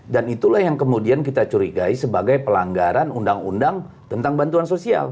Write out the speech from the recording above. dan itulah yang kemudian kita curigai sebagai pelanggaran undang undang tentang bantuan sosial